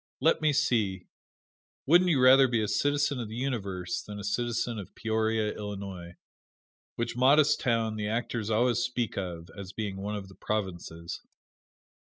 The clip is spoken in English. Let me see wouldn't you rather be a citizen of the Universe than a citizen of Peoria, Illinois, which modest town the actors always speak of as being one of the provinces?